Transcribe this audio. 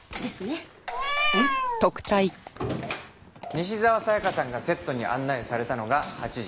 西沢紗香さんがセットに案内されたのが８時。